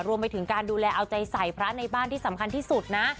รวมไปถึงการดูแลเอาใจใส่พระในบ้านที่สำคัญที่สุดนะ